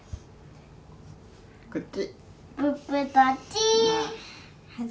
こっち。